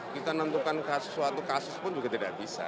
kita menentukan sesuatu kasus pun juga tidak bisa